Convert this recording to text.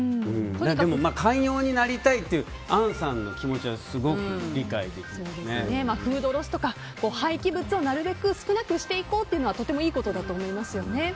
でも寛容になりたいっていう杏さんの気持ちはフードロスとか廃棄物をなるべく少なくしていこうというのはとてもいいことだと思いますよね。